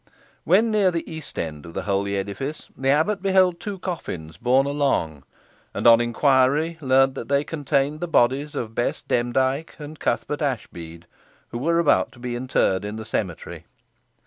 When near the east end of the holy edifice, the abbot beheld two coffins borne along, and, on inquiry, learnt that they contained the bodies of Bess Demdike and Cuthbert Ashbead, who were about to be interred in the cemetery.